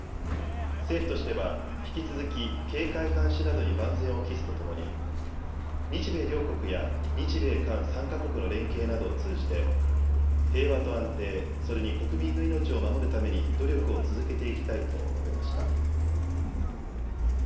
政府としては引き続き警戒監視などに万全を期すとともに日米両国や日米韓３か国の連携などを通じて平和と安定、それに国民の命を守るために努力を続けていきたいと述べました。